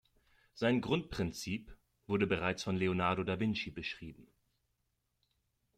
Sein Grundprinzip wurde bereits von Leonardo da Vinci beschrieben.